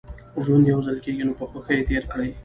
ژوند يوځل کېږي نو په خوښۍ يې تېر کړئ